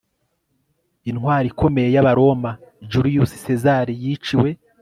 intwari ikomeye y'abaroma, julius sezari, yiciwe